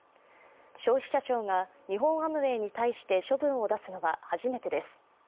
消費者庁が日本アムウェイに対して処分を出すのは初めてです。